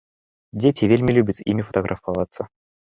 Дзеці вельмі любяць з імі фатаграфавацца.